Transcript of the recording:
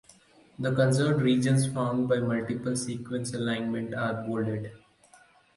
The conserved regions found by multiple sequence alignment are bolded.